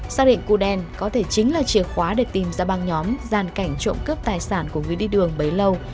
xác định cụ đen có thể chính là chìa khóa để tìm ra băng nhóm gian cảnh trộm cướp tài sản của người đi đường bấy lâu